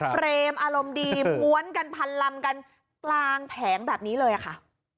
เพรมอารมณ์ดีว้นกันพางลำกันตรางแผงแบบนี้เลยอ่ะค่ะ